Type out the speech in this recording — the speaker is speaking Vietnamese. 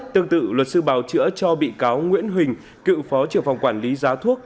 tương tự luật sư bào chữa cho bị cáo nguyễn huỳnh cựu phó trưởng phòng quản lý giá thuốc